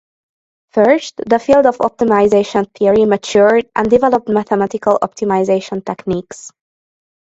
First, the field of optimization theory matured and developed mathematical optimization techniques.